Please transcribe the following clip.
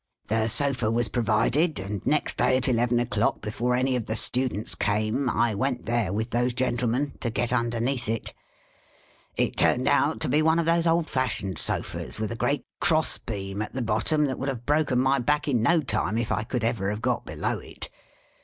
" The sola was provided, and next day at eleven o'clock, before any of the students came, I went there, with those gentlemen, to get underneath it. It turned out to be one of those old fashioned sofas with a great cross beam at the bottom, that would have broken my back in no time if I could ever have got below it.